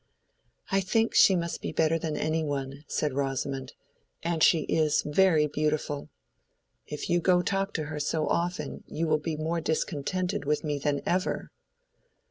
"I think she must be better than any one," said Rosamond, "and she is very beautiful. If you go to talk to her so often, you will be more discontented with me than ever!"